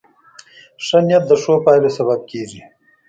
ښه نیت د ښو پایلو سبب کېږي.